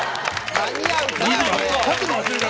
間に合うかな。